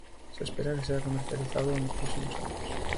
Se espera que sea comercializado en los próximos años.